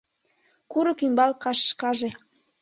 Курык ӱмбал кашкаже